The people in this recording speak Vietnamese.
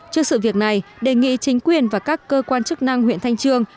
trước sự việc này đề nghị chính quyền và các cơ quan chức năng huyện thanh trương